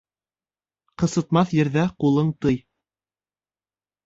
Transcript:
Ҡысытмаҫ ерҙә ҡулың тый.